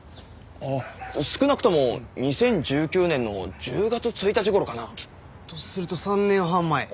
少なくとも２０１９年の１０月１日頃かな？とすると３年半前？